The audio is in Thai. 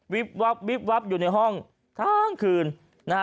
วับวิบวับอยู่ในห้องทั้งคืนนะฮะ